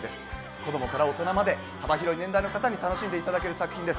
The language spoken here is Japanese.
子供から大人まで幅広い年代の方に楽しんでいただける作品です。